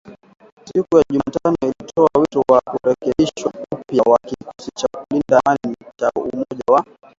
siku ya Jumatano alitoa wito wa kurekebishwa upya kwa kikosi cha kulinda amani cha Umoja wa